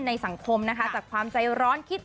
สังคมนะคะจากความใจร้อนคิด